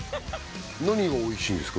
何がおいしいんですか？